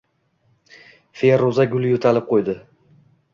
Feruza gul yo‘talib qo‘ydi.